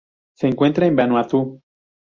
Se encuentra en Vanuatu.